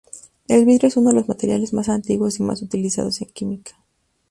El vidrio es uno de los materiales más antiguos y más utilizados en química.